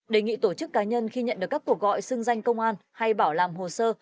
đề nghị tổ chức cá nhân khi nhận được các cuộc gọi xưng danh công an hay bảo làm hồ sơ